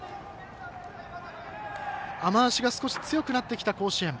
雨足が少し強くなってきた甲子園。